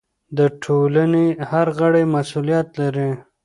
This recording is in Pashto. د ټولنې هر غړی مسؤلیت لري.